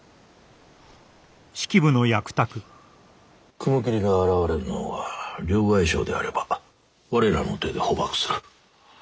雲霧が現れるのが両替商であれば我らの手で捕縛する。